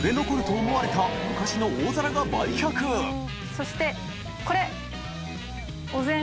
そしてこれ。